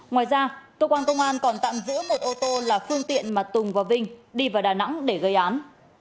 ngoài ra cơ quan công an còn tạm giữ một ô tô là phương tiện mà tùng và vinh đi vào đà nẵng để gây án